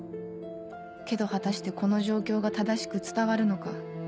けど果たしてこの状況が正しく伝わるのか